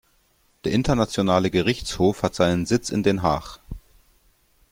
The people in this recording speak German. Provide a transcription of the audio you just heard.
Der internationale Gerichtshof hat seinen Sitz in Den Haag.